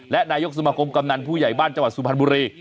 และนายกสมาคมกำนันผู้ใหญ่บ้านจังหวัดสุพรรณบุรี